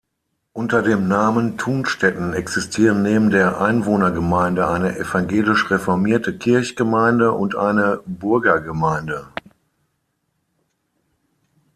Unter dem Namen "Thunstetten" existieren neben der Einwohnergemeinde eine evangelisch-reformierte Kirchgemeinde und eine Burgergemeinde.